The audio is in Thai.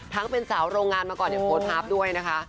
ทั้งเป็นสาวโรงงานมาก่อนอย่างโปรดภาพด้วยนะคะ